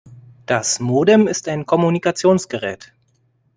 Das Modem ist ein Kommunikationsgerät.